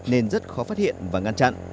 nên rất khó phát hiện và ngăn chặn